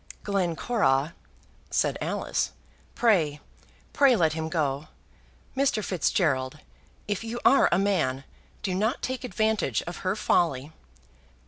"Glencora," said Alice, "pray, pray let him go. Mr. Fitzgerald, if you are a man, do not take advantage of her folly."